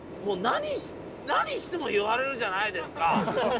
もう何しても言われるじゃないですか。